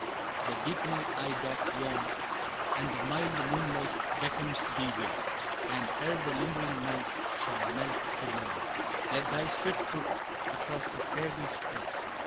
The deepening eve doth warn, And the mild moonlight beckons thee away; And, ere the lingering night shall melt to morn, Let thy swift foot across the prairie stray.